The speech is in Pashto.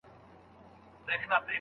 ادیب ته علمي کتاب سپارل ستونزې زېږوي.